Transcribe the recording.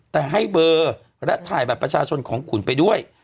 แต่ให้เบอร์และถ่ายบัตรประชาชนของขุนไปด้วย